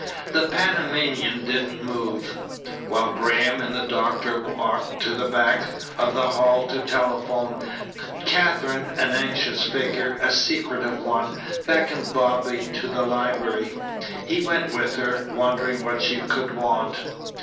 The Panamanian didn't move. While Graham and the doctor walked to the back of the hall to telephone, Katherine, an anxious figure, a secretive one, beckoned Bobby to the library. He went with her, wondering what she could want.